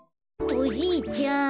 おじいちゃん